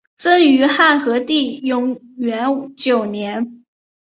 曾于汉和帝永元九年。